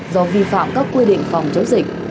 do vi phạm các quy định phòng chống dịch